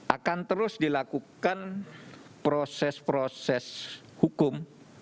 akan terus dilakukan proses proses hukum